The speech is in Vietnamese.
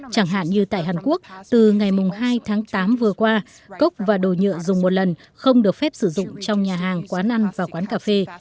chẳng hạn như tại hàn quốc từ ngày hai tháng tám vừa qua cốc và đồ nhựa dùng một lần không được phép sử dụng trong nhà hàng quán ăn và quán cà phê